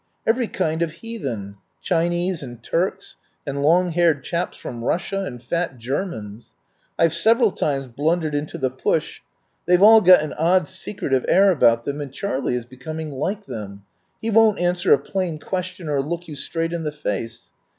Every kind of heathen — Chinese and Turks, and long haired chaps from Russia, and fat Germans. I've several times blundered into the push. They've all got an odd secretive air about them, and Charlie is becoming like them. He won't answer a plain question or look you straight in the face.